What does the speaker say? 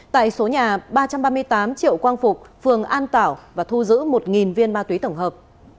tại số nhà ba trăm ba mươi tám triệu quang phục phường an tảo và thu giữ một viên ma túy tổng hợp